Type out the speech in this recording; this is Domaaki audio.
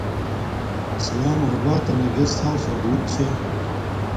اسلام آباتنا گسٹ ھاوسا بوت چھے